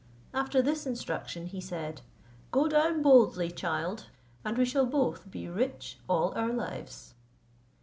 After this instruction he said, "Go down boldly, child, and we shall both be rich all our lives."